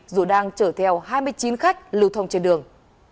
dù đang chở theo hai mươi chín khách lưu thông trên đường